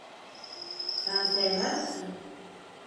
Sen sevmez misin?